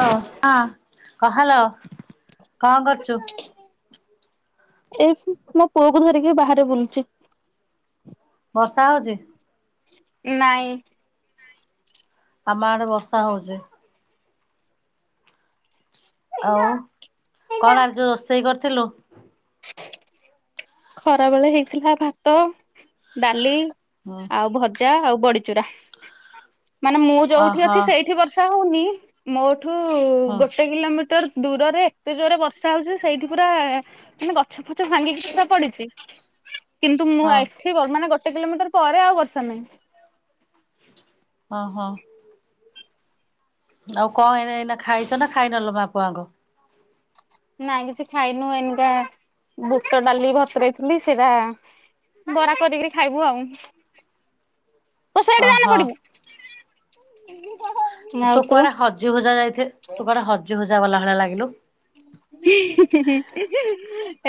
ହ ହା ଅ ହାଲୋ କଁ କରୁଚୁ? ଏଇ ମୋ ପୁଅ କି ଧରିକି ବାହାରେ ବୁଲୁଚି। ବର୍ଷା ହଉଛି? ନାଇଁ। ଆମ ଆଡେ ବର୍ଷା ହଉଚି। ଆଉ କଣ ଆଜି ରୋଷେଇ କରିଥିଲୁ? ଖରା ବେଳେ ହେଇଥିଲା ଭାତ, ଡାଲି ହୁଁ ଆଉ ଭଜା ଆଉ ବଡି ଚୁରା। ମାନେ ମୁଁ ଯୋଉଠି ଓହୋ ଅଛି ସେଇଠି ବର୍ଷା ହଉନି ମୋର ସେଠୁ ହଁ ଗୋଟେ କିଲୋମିଟର୍ ଦୂରରେ ଏତେ ଜୋରେ ବର୍ଷା ହଉଛି ସେଇଠି ପୁରା ଏ ସେ ଗଛ ଫଛ ଭାଙ୍ଗିକି ପୁରା ପଡିଚି କିନ୍ତୁ ମୁଁ ହଁ ଆଇଥୁ ଗୋଟେ କିଲୋମିଟର ପରେ ଆଉ ବର୍ଷା ନାଇ ଅ ହ। ଆଉ କଣ ଏଇନା ଏଇନା ଖାଇଛ ନା ଖାଇନ ଲ ମା ପୁଅ ଆଙ୍କ? ନାଇଁ କିଛି ଖାଇନୁ ଏଇନିକା ବୁଟଡାଲି ବୋତରେଇଥିଲି ସେଇଟା ବରା କରିକିରି ଖାଇବୁ ଆଉଁ। ତୁ ସିଆଡେ ଯାଆନା ଓହୋ ପଡ଼ିବୁ। [unintelligible] ତୁ କୁଆଡେ ହଜି ହୁଜା ଯାଇଥେ, ତୁ କୁଆଡେ ହଜି ଜି ହୁଜା ଗଲା ଭଳିଆ ଲାଗିଲୁ।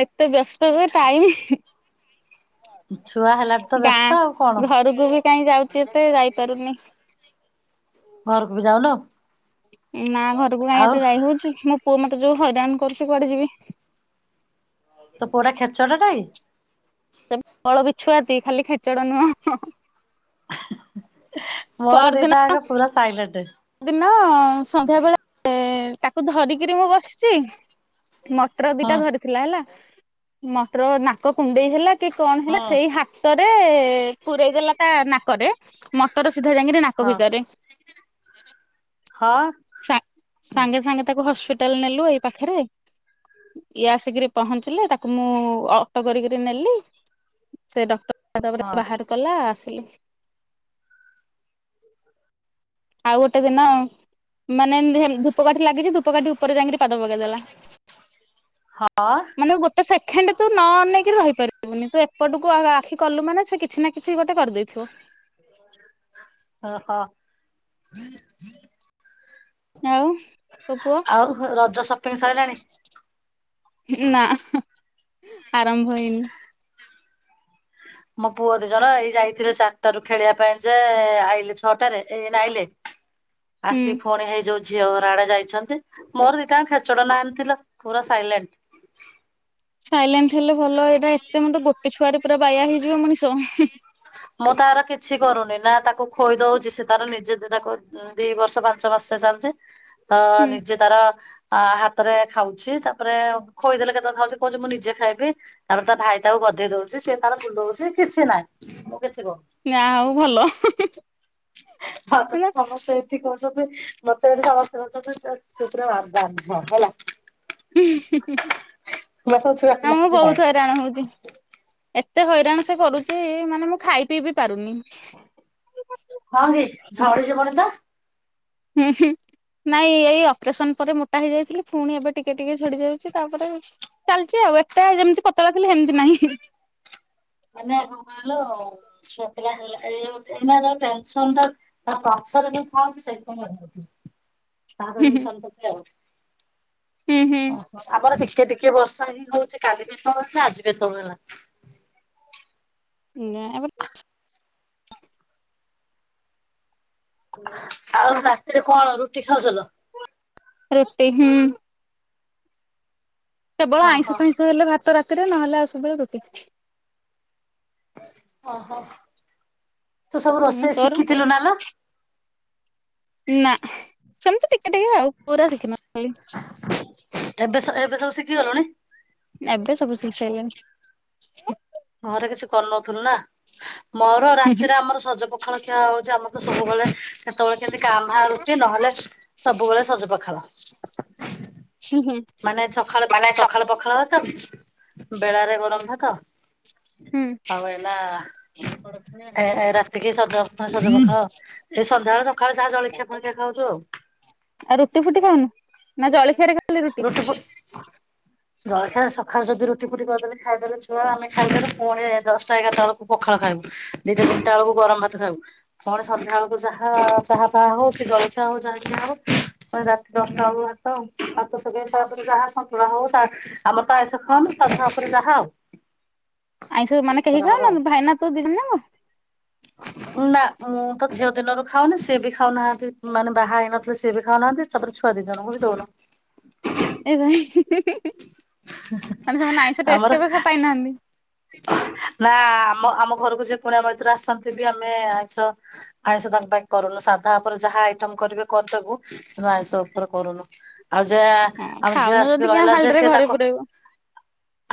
ଏତ ବ୍ୟସ୍ତ ଯେ ଟାଇମି ଛୁଆ ହେଲାଠୁ ତ ବ୍ୟସ୍ତ ଆଉ କଣ ଗାଁ ଘରକୁ ବି କାଇଁ ଯାଉଚି ତେ ଯାଇ ପାରୁନି। ଘରକୁ ବି ଯାଉନ? ନା ଘରକୁ କାଇଁ ଏତେ ଯାଇ ହଉଚି ମୋ ପୁଅ ମୋତେ ଯୋଉ ହଇରାଣ କରୁଛି କୁଆଡେ ଯିବି। ତୋ ପୁଅଟା ଖେଚଡ ଟାକି? [inaudible] ବଳ ବିଛୁଆତି ଖାଲି ଖେଚଡ ନୁହଁ। ମୋର ପର ଦିଟା ଦିନ ଯାକ ପୁରା ସାଇଲେଣ୍ଟ ପର ଦିନ ସନ୍ଧ୍ୟା ବେଳେ ଏ ଏ ତାକୁ ଧରିକିରି ମୁଁ ବସିଛି ମଟର ହୁଁ ଦିଟା ଧରିଥିଲା ହେଲା ମଟର ନାକ କୁଣ୍ଡେଇ ହେଲା କି କଣ ହେଲା ହୁଁ ସେଇ ହାତ ସେ ପୁରେଇ ଦେଲା ତା ନାକରେ ମଟର ସୁ ସିଧା ଯାଇକିରି ନାକ ହଁ ଭିତରେ। ହଁ। ସା ସାଙ୍ଗେ ସାଙ୍ଗେ ତ ତାକୁ ହସ୍ପିଟାଲ୍ ନେଲୁ ଏଇ ପାଖରେ, ଇଏ ଆସିକିରି ପହଞ୍ଚିଲେ, ତାକୁ ମୁଁ ଅଟୋ କରିକରି ନେଲି। ସେ ଡକ୍ଟର୍ ତାପରେ ହଁ। ବାହାର କଲା ଆସିଲି। ଆଉ ଗୋଟେ ଦିନ ମାନେ ଧେନ୍ ଧୂପକାଠି ଲାଗିଚି, ଧୂପକାଠି ଉପରେ ଯାଇକିରି ପାଦ ପକେଇଦେଲା। ହଁ। ଖେଣ୍ଡେ ତୁ ନ ଅନେଇକି ରହିପାରିବୁନି ତୁ ଏପଟକୁ ଆ, ଆଖି କଲୁ ମାନେ ସେ କିଛି ନା କିଛି ଗୋଟେ କରିଦେଇଥିବ। ଓହୋ! ଆଉ ତୋ ପୁଅ ଆଉ ହ-ରଜ ସପିଙ୍ଗ ସଇଲାଣି? ନା ଆରମ୍ଭ ହେଇନି। ମୋ ପୁଅ ଦି ଜଣ ଏଇ ଯାଇଥିଲେ ଚାରିଟା ରୁ ଖେଳିବା ପାଇଁ ଯେ ଆଇଲେ ଛଅଟାରେ ଏଇନା ଆଇଲେ। ହୁଁ ଆସି ଫୁଣି ହେଇ ଯୋଉ ଝିଅ ଘର ଆଡେ ଯାଇଛନ୍ତି। ମୋର ଦିଟାଙ୍କ ଖେଚଡ ନାହାନ୍ତି ଲୋ ଆଣିଥିଲେ ପୁରା ସାଇଲେଣ୍ଟ। ସାଇଲେଣ୍ଟ ହେଲେ ଭଲ ଏଇଟା ଏତେ ମେ ଗୋଟେ- ଛୁଆରେ ପୁରା ବାୟା ହେଇଯିବ ମଣିଷ। ମୁଁ ତାର କିଛି କରୁନି ନା ତାକୁ ଖୋଇ ଦଉଛି ସେ ତାର ନିଜେ ତାକୁ ଦି ବର୍ଷ ପାଞ୍ଚ ବର୍ଷ ଚାଲୁଛି- ହଁ ହୁଁ ନିଜେ ତାର- ଆ ହାତରେ ଖାଉଛି। ତାପରେ ଖୋଇଦେଲେ କେତେବେଳେ ଖାଉଛି କହୁଛି ମୁଁ ନିଜେ ଖାଇବି ତାପରେ ତା ଭାଇ ତାକୁ ଗଧେଇ ଦଉଛି। ସେ ତାର ଭୁଲଉଛି କିଛି ନାହିଁ। କିଛି କରୁନି। ନାାଁ ହଉ ଭଲ। ମତେ ତ ସମସ୍ତେ ଏଠି କହୁଛନ୍ତି ମତେ ଏ ସୁୂପ ଆଧାନ୍ ହେଲା [unintelligible] ମୁଁ କହୁଛି ମୁଁ ନାଇଁ ବହୁତ ହଇରାଣ ହଉଛି। ଏତେ ହଇରାଣ ସେ କରୁଛି, ମାନେ ମୁଁ ଖାଇ ପିଇ ବି ପାରୁନି। ହଁ କି! ଝଡି ଯିବନି ତ! ହୁଁ ହୁଁ ନାଇଁ ଏଇ ଅପରେସନ ପରେ ମୁ- ମୋଟ ହେଇ ଯାଇଥିଲି ପୁଣି ଏବେ ଟିକେ ଟିକେ- ଝଡି ଯାଉଛି ତାପରେ, ଚାଲିଛି ଆଉ ଏତେ ଯେମତି ପତଳା ଥିଲି ହେମତି ନାହିଁ। ମାନେ [unintelligible] ପୁଆପିଲା ହେଲା ଏ ଏଇନା ଯୋଉ ଟେନସନ ଟା ପଛରେ ଯୋଉ କହନ୍ତି ସେଇତି ପାଇଁ ତା ହୁଁ ପାଇଁ ମୁଁ [unintelligible] ଆଉ ହୁଁ ହୁଁ। ଓ ଆପର ଟି ଟିକେ ଟିକେ ବର୍ଷା ହି ହଉଛି କାଲି ବି ଏତୋଳୁ ହେଇଥିଲା ଆଜି ବି ଏତୋଳୁ ହେଲା। ନା ଏ ବର [inaudible] ଆଉ ରାତିରେ କଣ ରୁଟି ଖାଉଚ ଲୋ? ରୁଟି ହୁଁ। କେବଳ ଆଇଁଷ ଓହୋ ଫାଇଁଷ‌ ହେଲେ ଭା ତ ରାତିରେ ନହେଲେ ଆଉ ସବୁବେଳେ ରୁଟି। ଅ ହ। ତୁ ସବୁ ହୁଁ ରୋଷେଇ ତୋର ଶିଖିଥିଲୁ ନା ଲୋ? ନା। ସେମତି ଟିକେ ଟିକେ ଆଉ ପୁରା ଶିଖିନଥିଲି। କି ଗଲୁଣି। ଏବେ ସବୁ ଶିକ୍ ସାଇଲିଣି। ଘରେ କିଛି କରନୋ ତୁନା ମୋର ରାତିରେ ଆମର ସଜ ପ ପଖାଳ ଖିଆ ହଉଚି ଆମର ତ ସବୁବେଳେ, କେତେବେଳେ କେମି କାଁ ଭାଁ ରୁଟି ନହେଲେ ସବୁବେଳେ ସଜ ପଖାଳ। [unintelligible] ହୁଁ ହୁଁ ମାନେ ଚଖାଳୁ ସଖାଳୁ ପଖାଳ ଭା ତ [inaudible] ବେଳାରେ ଗରମ ଭାତ୍ କା। ହୁଁ ଆଉ ହେଲା ଏ ଏ ରାତିକି ସଜ ପୁଣି ସଜ ପଖାଳ ଏ ସନ୍ଧ୍ୟାଳୁ ସଖାଳୁ ଯାହା ଜଳଖିଆ ଫଳଖିଆ ଖାଉଚୁ ଆଉ। ଆଉ ରୁଟି ଫୁଟି ଖାଉନୁ ନା ଜଳଖିଆରେ ଖା ରୁଟି ପୁଟ ଜଳଖିଆ ରେ ସଖାଳୁ ଯଦି ରୁଟି ଫୁଟି କରିଦେଲେ। ଖାଇଦେଲେ ଛୁଆ ଆମେ ଖାଇଦେଲୁ ପୁଣି ଦଶଟା ଏଗାରଟା ବେଳକୁ ପଖାଳ ଖାଇବୁ ଦିଇଟା ତିନିଟା ବେଳକୁ ଗରମ ଭାତ ଖାଇବୁ ପୁଣି ସନ୍ଧ୍ୟା ବେଳକୁ ଯାହା ଚାହା ଫାହା ହଉ କି ଜଳଖିଆ ହଉ ଯାହା ଖିଆ ହବ ପୁଣି ରାତି ଦଶଟା ବେଳକୁ ଭାତ ଭାତ [unintelligible] ତା ପରେ ଯାହା ସନ୍ତୁଳା ହଉ ସା ଆମର ତ ଆଇଁଷ ଖାଉନୁ ସାଧା ଉପରେ ଯାହା ଆଉ। ଆଇଁଷ ମାନେ କେହି କରାହବ ଖାଉନା ଆଉ। ଭାଇନା ତୁ ଦି ଜଣ ଯାଙ୍କ। ନା ମୁଁ ତ ଝିଅ ଦିନରୁ ଖାଉନି ସିଏ ବି ଖାଉନାହାନ୍ତି ମାନେ ବାହା ହେଇନଥିଲେ ସିଏ ବି ଖାଉନାହାନ୍ତି ତାପରେ ଛୁଆ ଦି ଜଣଙ୍କୁ ବି ଦଉନୁ। ଏବାଇ ହୁଁ ହୁଁ ହୁଁ ତାମାନେ ସେମାନେ ଆଇଁଷ ଟେଷ୍ଟ ଆମର କେବେ ଖାଇ ପାଇନାହାନ୍ତି। ନା ଆମ ଆମ ଘରକୁ ଯେ କୁଣିଆ ମୈତ୍ର ଆସନ୍ତି ବି ଆମେ ଆଇଁଷ ଆଇଁଷ ତାଙ୍କ ପାଇଁ କରୁନୁ ସାଧା ଉପରେ ଯାହା ଆଇଟମ କରିବେ କରିଦବୁ କିନ୍ତୁ ଆଇଁଷ ଉପରେ କରୁନୁ। ଆଉ ଯା ହଁ ଆମ ଝିଅ ଖାଉନ ଆସିକି ଯଦି କିଆଁ ରହିଲା ଯେ ଫାଲଟରେ ସିଏ ଘରେ ତାକୁ ପୁରେଇବ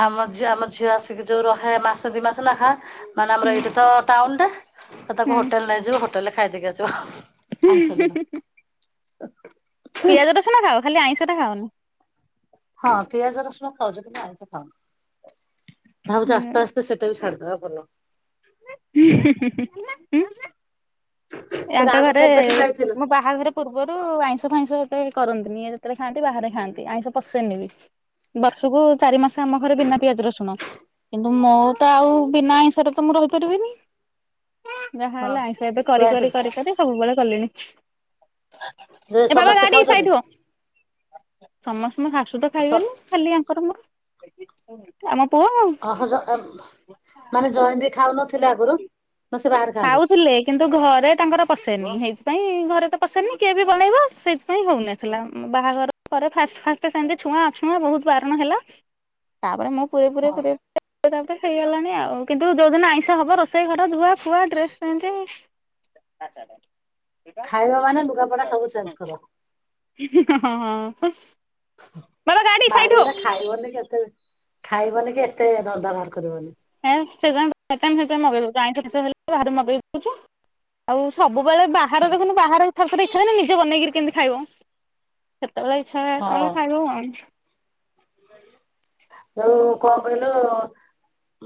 ଆମ ଆମ ଝିଅ ଆସ ଯୋଉ ରହେ ମାସେ ଦି ମାସେ ନେଖା ମାନେ ଆମର ହୁଁ ଏଇଠ ତ ଟା କାଉଣ୍ଡା। ସେ ତାକୁ ହୁଁ। ହୋଟେଲ ନଁଯିବ ହୋ ହୋଟଲେ ଖାଇ ଦେଇକି ଆସିବ। ଆଇଁସ ଦିନେ। ପିଆଜ ରସୁଣ ଖାଉ ଖାଲି ଆଇଁଷଟ ଖାାଉନି। ହଁ ପିଆଜ ରଶୁଣ ଖାଉଛୁ କିନ୍ତୁ ଆଇଁସ ଖାଉନୁ। ଭାବୁ ଉଁ ଆସ୍ତେ ଆସ୍ତେ ସେଟା ବି ଛାଡିଦବୁ ହଁ ଭଲ। [inaudible] ତୁ ୟାଙ୍କ ଗାଁକୁ ଘରେ କେବେଠୁ ଯାଇଥିଲୁ? ମୋ ବାହାଘର ପୂର୍ବରୁ ଆଇଁସ ଆଇଁସ ହେତେ କରନ୍ତିନି ଇ ଯେତେଳେ ଖାଆନ୍ତି ବାହାରେ ଖାଆନ୍ତି ଆଇଁଷ ପଶେଇନବି ବର୍ଷକୁ ଚାରି ମାସ ଆମ ଘରେ ବିନା ପିଆଜ ରସୁଣ କିନ୍ତୁ ମୋତ ଆଉ ବିନା ଆଇଁଷରେ ତ ମୁଁ ରହିପାରିବିନି। ଯାହା ହଁ ହେଲା ଆଇସ ଏବେ ତୁ କରି ଆଇଁଷ କରି। ସବୁବେଳେ କଲେଣି। ଯେ ଏ ବାବା ସମସ୍ତେ ଗାଦି ସାଇଟ୍ ହୁଅ ଖାଉଛନ୍ତି? ସମସ୍ତଙ୍କ ଶାଶୁ ତ ଖାଇବେନି ଖାଲି ଆଙ୍କର ମୋର। ଆମ। ପୁଅ ଓହ ମାନେ ଜୋଇଁ ଖାଉନଥିଲେ ଆଗରୁ ନ ସେ ବାହାର ଖାଆନ୍ତି। ଖାଉଥିଲେ କିନ୍ତୁ ଘରେ ତାଙ୍କର ପଶେନି ସେଇଥିପାଇଁ ଘରେ ତ ପସେନି କିଏ ବି ବନେଇବ ସେଇଥିପାଇଁ ହଉନଥିଲା ବାହାଘର ପରେ ଫାଷ୍ଟ ଫାଷ୍ଟ ସେମିତି ଛୁଆଁ ଅଛୁଆଁ ବହୁତ ବାରଣ ହେଲା ତାପରେ ମୁଁ। ପୁରୀ ହଁ ପୁରୀ [inaudible] ହେଇଗଲାଣି ଆଉ କିନ୍ତୁ ଦୋ ଦିନ ଆଇଁଷା ହବ ରୋଷେଇ ଘର ଧୁଆ ଫୁଆ ଡ୍ରେସ ପ ଆଛା। ଖାଇବା ମାନ ଲୁଗାପଡା ସବୁ ଚେଞ୍ଚ କର। ହଁ ହ। ବାହାରିଲେ ଖାଇବନି କେତେ। ଖାଇବନି କି ଏତେ ଦରଦ ବାହାର କରିବନି। ହ୍ମେ ସେ ଜ ସେଗେଇ ଦଉଛୁ ଆଇଁଠ ଶେଷ ହେ ବା ମଗେଇ ଦଉଛୁ ଆଉ ସବୁବେଳେ ବାହାର ଦେଖନ୍ତୁ ବାହାରାରେ ସ ଇଚ୍ଛା ନା ନିଜେ ବନେଇକି କେମିତି ଖାଇବ? ଚଳେଇଛ କ ଖାୁ ଆଉ କଣ କହିଲୁ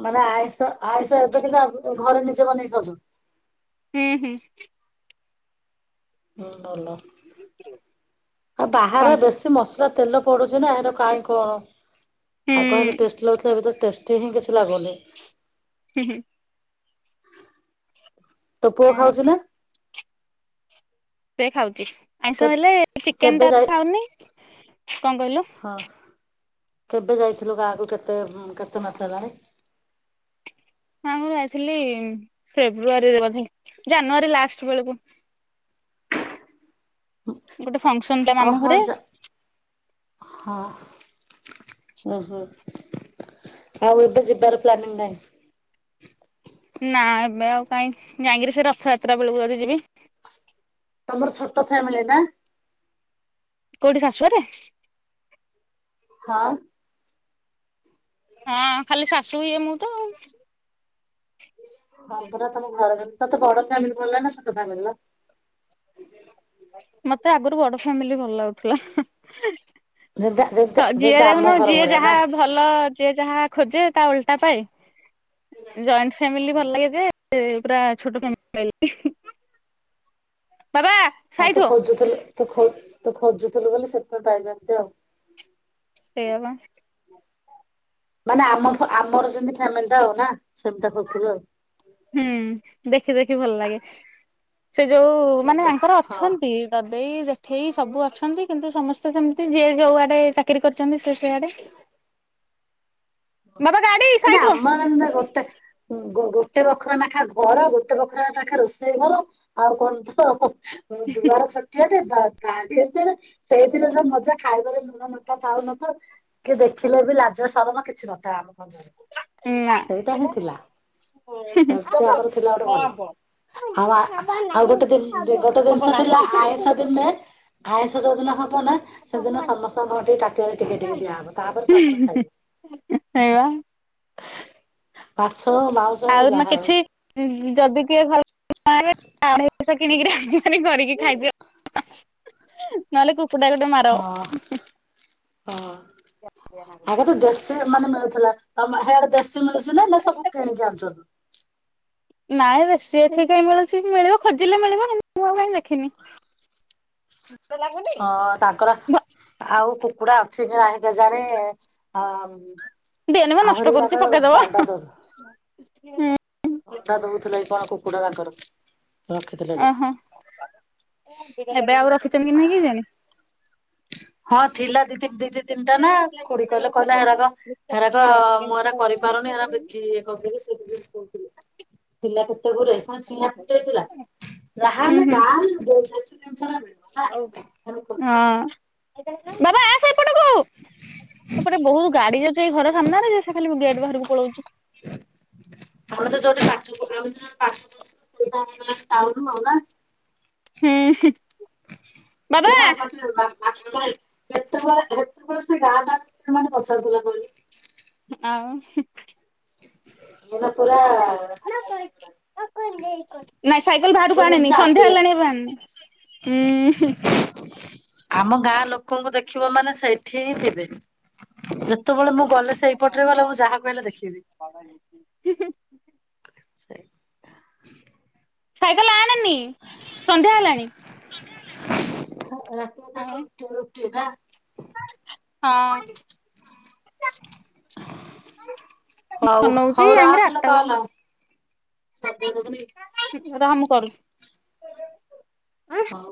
ମାନେ ଆଇୁଷ ଆୟୁଷ ଏବେ କିନ୍ତ ଘରେ ନିଜେ ବନେଇ ଖବୁ ହୁଁ ହୁଁ। ହୁଁ ଭଲ। ଆଉ ବାହାରେ କଣ ବେଶୀ ମସଲା ତେଲ ପଡୁଛି ନା ଏ କାହିଁ କଣ? ହୁଁ ଆଉ କଣ ହେଲେ ଟେଷ୍ଟ ଲାଗୁଥିଲା ଏବେ ତ ଟେଷ୍ଟି ହିଁ କିଛି ଲାଗୁନି। ହୁଁ ହୁଁ। ତୋ ପୁଅ ହଁ ଖାଉଛି ନା। ସେ ଖାଉଛି। କେ ଆଇଁଷ ହେଲେ ଚିକେନ କେବେ ଟା ଯାଇ ଖାଉନି। କଣ କହିଲୁ। ହଁ। କେବେ ଯାଇଥିଲୁ ଗାଁକୁ କେତେ କେତେ ମାସ ହେଲାଣି। ମୁଁ ଯାଇଥିଲି ଫେବୃଆରୀରେ ବଧେ ଜାନୁଆରୀ ଲାଷ୍ଟ ବେଳକୁ। ଗୋଟେ ଫଙ୍କସନ ଥିଲା ମାମୁ ଓହୋ ଘରେ। ଯା ହଁ ହୁଁ ହୁଁ ଆଉ ଏବେ ଯିବାର ପ୍ଲାନିଂ ନାହିଁ। ନା ଏବେ ଆଉ କାହିଁକି ଯାଇକିରି ସେ ରଥଯାତ୍ରା ବେଳକୁ ଯଦି ଯିବି। ତମର ଛୋଟ ଫ୍ୟାମିଲି ନା। କୋଉଠି ଶାଶୁ ଘରେ। ହଁ। ହଁ ଖାଲି ଶାଶୁ ଇଏ ମୁଁ ତ। ହଁ ପା ତମ ଘର ତତେ ବଡ ଫ୍ୟାମିଲି ଭଲ ଲାଗେ ନା ଛୋଟ ଫ୍ୟାମିଲିର। ମତେ ଆଗରୁ ବଡ ଫ୍ୟାମିଲି ଭ ଭଲ ଯେମିତି ଯେମିତି ଲାଗୁଥିଲା ଯିଏ ଯେମିତି ଆମ ଦେଖୁନୁ ଘର ଯିଏ ଭଳିଆ ଯାହା ନା? ଭଲ ଯିଏ ଯାହା। ଖୋଜେ ତା ଓଲଟା ପାଏ। ଜଏଣ୍ଟ ଫ୍ୟାମିଲି ହଁ ଭଲ ଲାଗେ ଯେ ପୁରା ଛୋଟ ଫ୍ୟାମଲି ପଳେ ବାବା ହଁ ସାଇ ତୁ ଥୋ। ଖୋଜୁଥିଲୁ ତୁ ଖୋ ତୁ ଖୋଜୁଥିଲୁ ବୋଲି ସେଥିପାଇଁ ପାଇଲୁ ଏମିତି ଆଉ। ସେଇଆ ବା ମାନେ ଆମ ତ ଆମର ଯେମିତି ଫ୍ୟାମିଲିଟା ନା ସେମିତି ଆ ଖୋଜୁଥିବୁ ଆଉ। ହୁଁ ଦେଖି ଦେଖି ଭଲ ଲାଗେ। ସେ ଯୋଉ-ଉ-ଉ ମାନେ ଆଙ୍କର ହଁ ଅଛନ୍ତି ଦା ଦେଇ ଜେଠେଇ ସବୁ ଅଛନ୍ତି କିନ୍ତୁ ସମସ୍ତେ ସେମିତି ଯିଏ ଯୋଉ ଆଡେ ଚାକିରି କରିଛନ୍ତି ସେ ସିଆଡେ। ଯେମିତି ଅମ୍ବାଗାନେ ଗୋଟେ ଗୋ ଗୋ ଗୋଟେ ବଖରା ନେଖା ଘର ଗୋଟେ ବଖରା ନେଖା ରୋଷେଇ ଘର ଆଉ ଙ୍କ ତ ଦୁଆର ଛୋଟିଆ [unintelligible] ସେଇଥିରେ ଯଉ ମଜା ଖାଇବାରେ ନୁଣ ନଙ୍କା ଥାଉ ନ ଥାଉ କି ଦେଖିଲେ ବି ଲାଜ ସରମ କିଛି ନ ଥାମ୍। ନା ସେଇଟା ହିଁ ଥିଲା। ସେମିତି ଆମର ଥିଲା ଗୋଟେ ଭଲ ଆଉ ଆଉ ଗୋଟେ ଦି ଗୋଟେ ଜିନିଷ ଥିଲା ଆଇଁଷ ଦିନେ ଆଇଷ ଯଉଦିନ ହ ହବ ନା ସେଦିନ ସମସ୍ତଙ୍କ ଘରେ ଟିକେ ତାଟିଆରେ ଟିକେ ଟିକେ ଦିଆହବ ତାପରେ ତମର ଖାଇବ। ସେଇବା ପା ଆଉ ନା କିଛି ଉଁ-ଉଁ ଯଦି କିଏ ଘଲ [inaudible] ମାଉଁଷ କିଣିକିରି ରାନ୍ଧି କରିକି ଖାଇଦିଅ ନହେଲେ କୁକୁ [unintelligible] ମାର ହଁ। ହଁ। ଆଗ ତ ଦେଶୀ ମାନେ ମିଳୁଥିଲା। ତମ [unintelligible] ଦେଶି [unintelligible] ନା ସବୁ କିଣିକି ଆଣିଛନ୍ତି ନାଇଁ ବେଶୀ ଏଠିକି କାଇ ମିଳୁଛିକି ମିଳିବ ଖୋଜିଲେ ମିଳିବ କିନ୍ତୁ ମୁଁ ଆଉ କାଇଁ ଦେଖିନି। ହଁ ତାଙ୍କର ଆଉ କୁକୁଡା ଅଛି କି ନାହିଁ କେଜାଣି ହମ୍ ଦେନି ମ ନଷ୍ଟ କରୁଛି ପକେଇଦବ। ଦଉଛ ହୁଁ। ଅଣ୍ଡା ଦଉଥିଲା କି କଣ କୁକୁଡ଼ା ତାଙ୍କର? ରଖିଥିଲେ ଯେ ଓହୋ ଏବେ ଆଉ ର ଖିଛନ୍ତି କି ନାଇ କେଜାଣି? ହଁ ଥିଲା ଦିଦି ଦିଦି ତିନିଟା ନା ଖୁଡି କହିଲେ କହିଲା ହେରାକ ହେରାକ ମୁଁ ଏରା କରିପାରୁନି ଆ ବିକିକରି ଦେବି ସେ କରିଦେବି କହୁଥିଲେ ଥିଲା ତ ହୁଁ ହୁଁ। ହଁ [unintelligible] ବାବା ଆସେ ଏପଟକୁ ସେପଟେ ବହୁ ଗାଡି ଯାଉଛି ଏଇ ଘର ସାମ୍ନାରେ ଯେ ସେ ଖାଲି ଗେଟ ବାହାରକୁ ପଳଉଛି। ଆମେ ତ ଯୋଉଠି ପାଠ ପଢୁ ଆମେ [unintelligible] ଟାଉନ ହୁଁ। [inaudible] ବାବା କେତେବେଳେ [inaudible] କେତେବେଳେ ସେ ଗାଁ ଗାଁ [inaudible] ମାନେ ପଚାରୁଥିଲା କହନି ଆଉ [unintelligible] ପୁରା ନାଇଁ ସାଇକେଲ ବାହାରକୁ ସବୁ ଜିନିଷ ଆଣିନି ସନ୍ଧ୍ୟା ଆଭେଲେବଲ। ହେଲାଣି ଏବେ ଆଣନି। ହୁଁ। ଆମ ଗାଁ ଲୋକଙ୍କୁ ଦେଖିବ ମାନେ ସେଇଠି ହିଁ ଥିବେ ଯେତେବେଳେ ମୁଁ ଗଲେ ସେଇପଟରେ ଗଲେ ମୁଁ ଯାହାକୁ ହେଲେ ଦେଖିବି। [unintelligible] ସାଇକେଲ ଆଣେନି, ସନ୍ଧ୍ୟା ହେଲାଣି। [inaudible] ହଁ ରାତି [inaudible] [unintelligible] ହଁ ହଉ ନଉଛି ହଉ [unintelligible] ରଖ ଲୋ ଆଠଟାକୁ କଲ ସରିଦେଇ ଦବୁନି ରହ ମୁଁ କରୁଛି ହଉ।